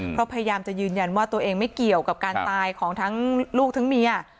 เพราะพยายามจะยืนยันว่าตัวเองไม่เกี่ยวกับการตายของทั้งลูกทั้งเมีย